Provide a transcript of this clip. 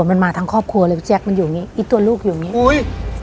มันมาทั้งครอบครัวเลยพี่แจ๊คมันอยู่นี่ไอ้ตัวลูกอยู่อย่างงี้อุ้ย